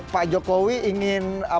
pak jokowi menyerang pribadi atau tidak